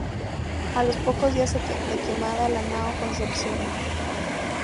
A los pocos días es quemada la nao "Concepción".